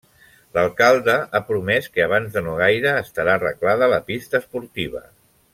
L'alcalde ha promès que abans de no gaire estarà arreglada la pista esportiva.